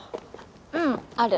うんある。